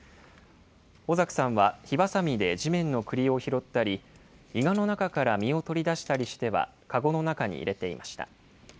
小作さんは、火ばさみで地面のくりを拾ったり、いがの中から実を取り出したりしては、籠の中に入れていました。